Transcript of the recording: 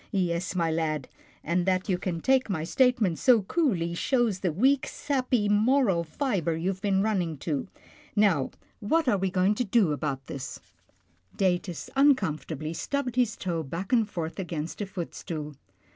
" Yes, my lad, and that you can take my state ment so coolly shows the weak, sappy, moral fibre you have been running to — Now, what are we to do about this ?" HIS ONLY SON 75 Datus uncomfortably stubbed his toe back and forth against a footstool.